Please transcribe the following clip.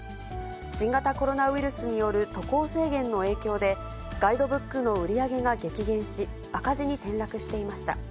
新型コロナウイルスによる渡航制限の影響で、ガイドブックの売り上げが激減し、赤字に転落していました。